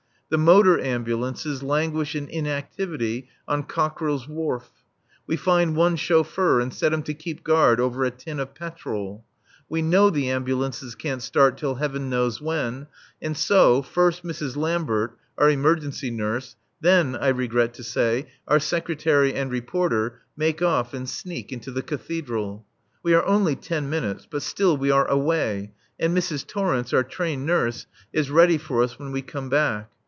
The motor ambulances languish in inactivity on Cockerill's Wharf. We find one chauffeur and set him to keep guard over a tin of petrol. We know the ambulances can't start till heaven knows when, and so, first Mrs. Lambert, our emergency nurse, then, I regret to say, our Secretary and Reporter make off and sneak into the Cathedral. We are only ten minutes, but still we are away, and Mrs. Torrence, our trained nurse, is ready for us when we come back.